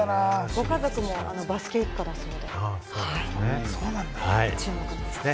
ご家族もバスケ一家だと注目ですね。